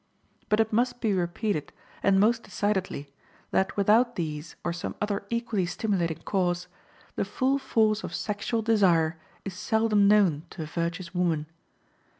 But it must be repeated, and most decidedly, that without these or some other equally stimulating cause, the full force of sexual desire is seldom known to a virtuous woman.